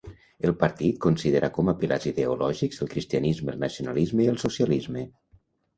El partit considera com a pilars ideològics el cristianisme, el nacionalisme i el socialisme.